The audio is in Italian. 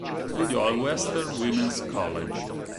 Studiò al Western Women's College.